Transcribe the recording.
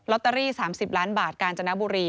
ตเตอรี่๓๐ล้านบาทกาญจนบุรี